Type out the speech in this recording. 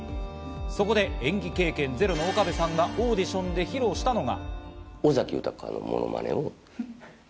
そこで演技経験ゼロの岡部さんがオーディションで披露したのが。